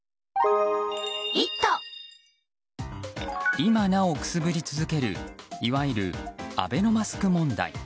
今なおくすぶり続けるいわゆるアベノマスク問題。